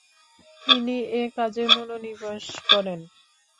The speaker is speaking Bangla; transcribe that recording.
তিনি এ কাজে মনোনিবেশ করেন।